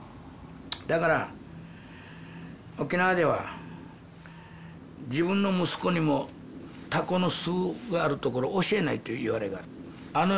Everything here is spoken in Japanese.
だから沖縄では自分の息子にもタコの巣がある所を教えないといういわれがあるの。